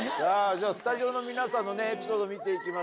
じゃあスタジオの皆さんのエピソード見ていきましょう。